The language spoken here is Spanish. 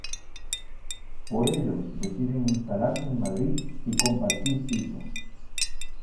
Para ello deciden instalarse en Madrid y compartir piso.